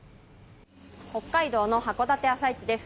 北海道の函館朝市です。